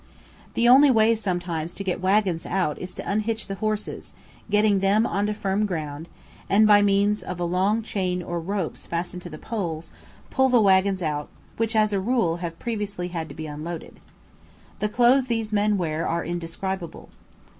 The only way sometimes to get waggons out is to unhitch the horses, getting them on to firm ground, and by means of a long chain or ropes fastened to the poles, pull the waggons out which as a rule have previously had to be unloaded. The clothes these men wear are indescribable.